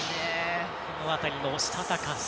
この辺りの、したたかさ。